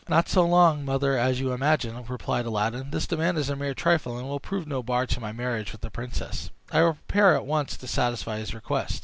"Not so long, mother, as you imagine," replied Aladdin. "This demand is a mere trifle, and will prove no bar to my marriage with the princess. I will prepare at once to satisfy his request."